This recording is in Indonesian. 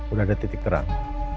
udah ada titik terang